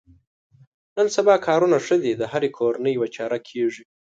نن سبا کارونه ښه دي د هرې کورنۍ یوه چاره کېږي.